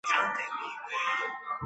掷弹兵接着向山丘突袭。